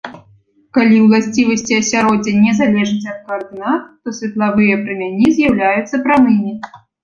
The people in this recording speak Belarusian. Калі ўласцівасці асяроддзя не залежаць ад каардынат, то светлавыя прамяні з'яўляюцца прамымі.